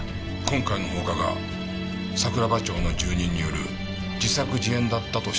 今回の放火が桜庭町の住人による自作自演だったとおっしゃるんですか？